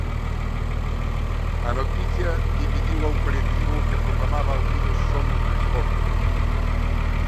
A noticia dividiu a un colectivo que proclamaba Unidos Somos Máis Fortes.